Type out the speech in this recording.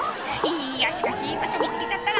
「いやしかしいい場所見つけちゃったな」